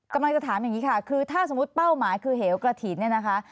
กำลังจะถามอย่างนี้ค่ะคือถ้าสมมุติเป้าหมายคือเหวกระถิ่นเนี่ยนะคะ